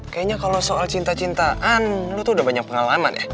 kayaknya kalau soal cinta cintaan lu tuh udah banyak pengalaman ya